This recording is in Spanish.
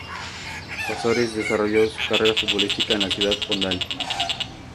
Ozores desarrolló su carrera futbolística en la ciudad condal.